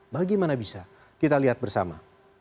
bagaimana bisa kita lihat bersama